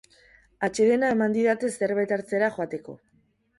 Atsedena eman didate zerbait hartzera joateko.